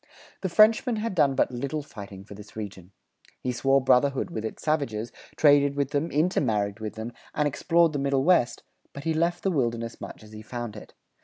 The Frenchman had done but little fighting for this region. He swore brotherhood with its savages, traded with them, intermarried with them, and explored the Middle West; but he left the wilderness much as he found it.